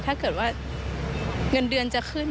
ถ้าเกิดว่าเงินเดือนจะขึ้น